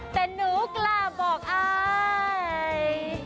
แต่หนูกล้าบอกอาย